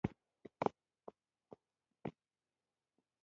بیت المقدس یوازې یو مقدس ځای نه.